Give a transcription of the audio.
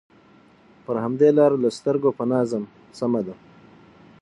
پر همدې لاره له سترګو پناه ځم، سمه ده.